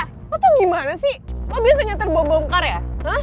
eh lo tau gimana sih lo biasanya terbombkar ya